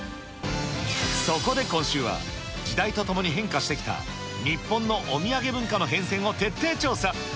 そこで今週は、時代とともに変化してきた日本のお土産文化の変遷を徹底調査。